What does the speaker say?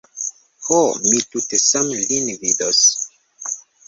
Ho, mi tute same lin vidos.